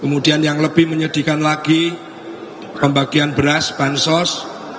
kemudian yang lebih menyedihkan lagi pembagian beras bansos